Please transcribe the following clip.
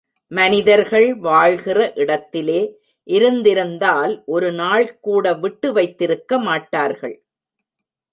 மனிதர்கள் வாழ்கிற இடத்திலே இருந்திருந்தால் ஒரு நாள்கூட விட்டு வைத்திருக்க மாட்டார்கள்.